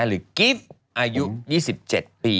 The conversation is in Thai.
หรือกิฟต์อายุ๒๗ปี